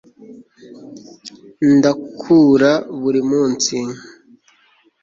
ndakura buri munsi